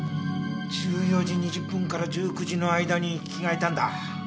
１４時２０分から１９時の間に着替えたんだ。